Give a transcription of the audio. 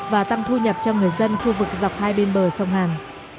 và tăng thu nhập cho người dân khu vực dọc hai bên bờ sông hàn